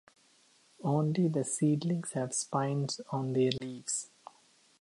Only the seedlings have spines on their leaves.